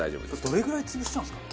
どれぐらい潰しちゃうんですか？